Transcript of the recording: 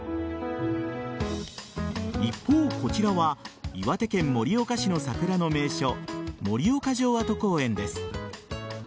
一方、こちらは岩手県盛岡市の桜の名所盛岡城跡公園です。